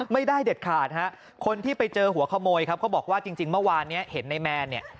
ไม่ได้เด็ดขาดฮะคนที่ไปเจอหัวขโมยครับเขาบอกว่าจริงเมื่อวานนี้เห็นในแมนเนี่ย